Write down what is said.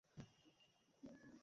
ওহ, Jesus!